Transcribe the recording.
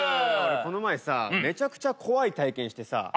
この前さめちゃくちゃ怖い体験してさ。